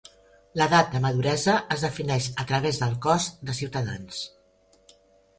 L'edat de maduresa es defineix a través del cos de ciutadans.